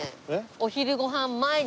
お昼ご飯前に。